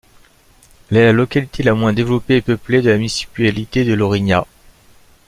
Elle est la localité la moins développée et peuplée de la municipalité de Lourinhã.